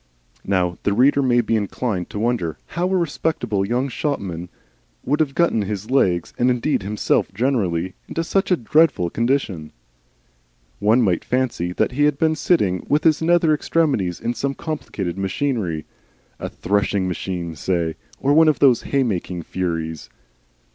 Now the reader may be inclined to wonder how a respectable young shopman should have got his legs, and indeed himself generally, into such a dreadful condition. One might fancy that he had been sitting with his nether extremities in some complicated machinery, a threshing machine, say, or one of those hay making furies.